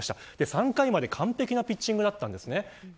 ３回まで完璧なピッチングだったんですね。